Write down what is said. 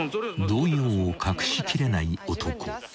［動揺を隠しきれない男］